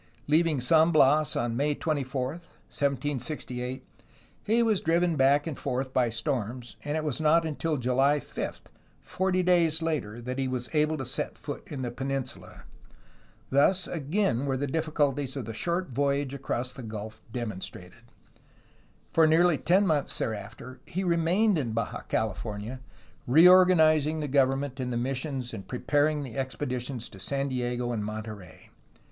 Leaving San Bias on May 24, 1768, he was driven back and forth by storms, and it was not until July 5, forty days later, that he 220 A HISTORY OF CALIFORNIA was able to set foot in the peninsula; thus again were the difficulties of the short voyage across the gulf demonstrated. For nearly ten months thereafter, he remained in Baja CaHf ornia, reorganizing the government and the missions and preparing the expeditions to San Diego and Monterey.